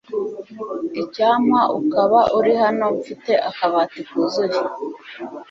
Icyampa ukaba uri hano Mfite akabati kuzuye